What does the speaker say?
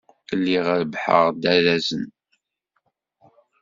Lliɣ rebbḥeɣ-d arrazen.